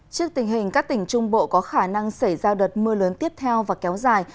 trước tình hình các tỉnh trung bộ có khả năng xảy ra đợt mưa lớn tiếp theo và kéo dài